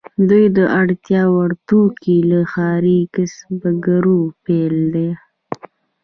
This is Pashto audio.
دوی د اړتیا وړ توکي له ښاري کسبګرو پیرل.